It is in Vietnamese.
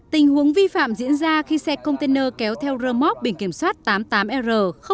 tình huống vi phạm diễn ra khi xe container kéo theo rơ móc bình kiểm soát tám mươi tám r sáu trăm bảy mươi một